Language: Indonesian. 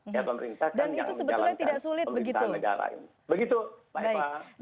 ya pemerintah kan yang menjalankan pemerintahan negara ini